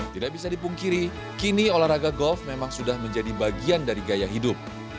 tidak bisa dipungkiri kini olahraga golf memang sudah menjadi bagian dari gaya hidup